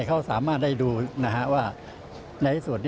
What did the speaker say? เขาสามารถได้ดูว่าในที่สุด